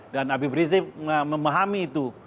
habib rizik memahami itu